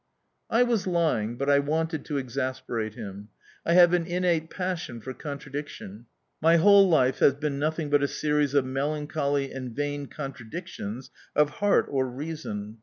I was lying, but I wanted to exasperate him. I have an innate passion for contradiction my whole life has been nothing but a series of melancholy and vain contradictions of heart or reason.